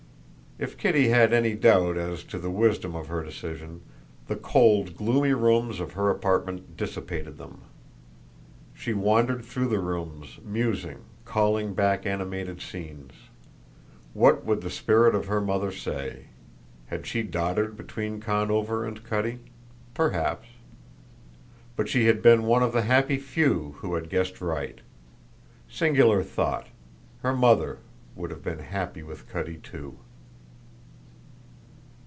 If Kitty had any doubt as to the wisdom of her decision, the cold, gloomy rooms of her apartment dissipated them. She wandered through the rooms, musing, calling back animated scenes. What would the spirit of her mother say? Had she doddered between Conover and Cutty? Perhaps. But she had been one of the happy few who had guessed right. Singular thought: her mother would have been happy with Cutty, too.